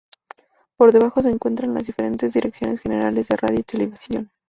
Por debajo se encuentran las diferentes direcciones generales de radio y televisión.